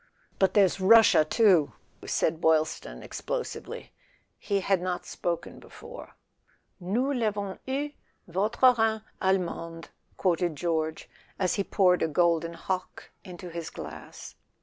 "But there's Russia too " said Boylston ex¬ plosively. He had not spoken before. " 4 Nous Vavons eu , votre Rhin allemand ,'" quoted George, as he poured a golden Hock into his glass.